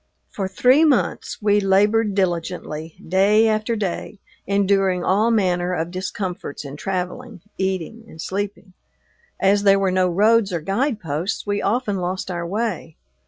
For three months we labored diligently, day after day, enduring all manner of discomforts in traveling, eating, and sleeping. As there were no roads or guide posts, we often lost our way.